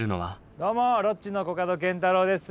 どうもロッチのコカドケンタロウです。